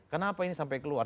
kenapa ini sampai keluar